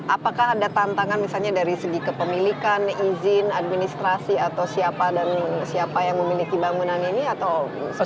apakah ada tantangan misalnya dari segi kepemilikan izin administrasi atau siapa yang memiliki bangunan ini atau